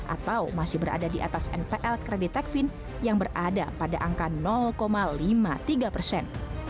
atau masih berada di atas npl kredit tekvin yang berada pada angka lima puluh tiga persen